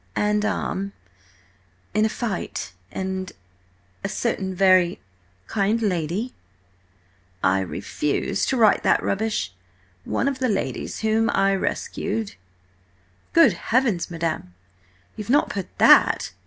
"'And arm, in a fight ... and a certain very ... kind lady—'" "I refuse to write that rubbish! 'One of the ladies whom I rescued—'" "Good heavens, madam, you've not put that?"